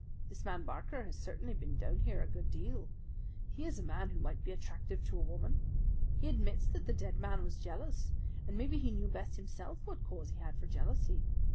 "This man Barker has certainly been down here a good deal. He is a man who might be attractive to a woman. He admits that the dead man was jealous, and maybe he knew best himself what cause he had for jealousy.